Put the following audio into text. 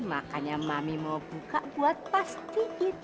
makanya mami mau buka buat pastiin